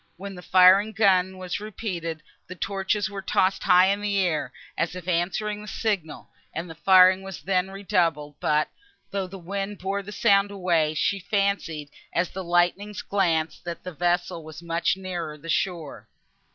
When the firing of guns was repeated, the torches were tossed high in the air, as if answering the signal, and the firing was then redoubled; but, though the wind bore the sound away, she fancied, as the lightnings glanced, that the vessel was much nearer the shore.